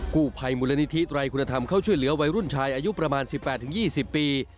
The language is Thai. ผู้ภัยมูลนิธิไตรคุณธรรมเข้าช่วยเหลือวัยรุ่นชายอายุประมาณ๑๘๒๐ปี